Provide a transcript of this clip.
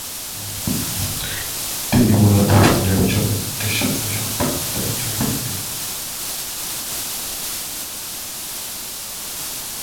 তিনি মুলত পাঞ্জাবি চলচ্চিত্রের সাথে সম্পর্কিত একজন ব্যক্তি।